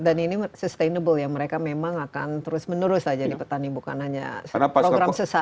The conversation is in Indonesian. dan ini sustainable ya mereka memang akan terus menerus jadi petani bukan hanya program sesaat